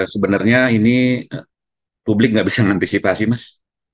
sebenarnya ini publik nggak bisa mengantisipasi mas